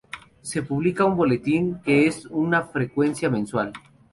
Se publica un Boletín que es de frecuencia mensual.